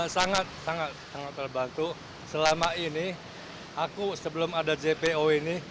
sangat sangat terbantu selama ini aku sebelum ada jpo ini